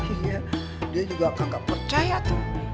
iya dia juga kagak percaya tuh